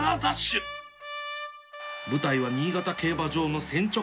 舞台は新潟競馬場の千直。